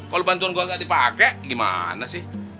kalau bantuan gue gak dipakai gimana sih